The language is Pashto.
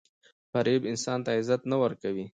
• فریب انسان ته عزت نه ورکوي.